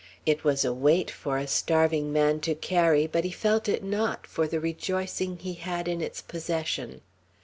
It was a weight for a starving man to carry, but he felt it not, for the rejoicing he had in its possession.